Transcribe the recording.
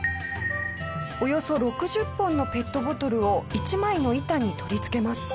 およそ６０本のペットボトルを１枚の板に取り付けます。